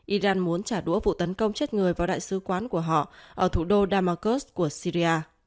iran muốn trả đũa vụ tấn công chết người vào đại sứ quán của họ ở thủ đô damaskus của syria